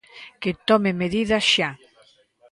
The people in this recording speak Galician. Que tome medidas xa.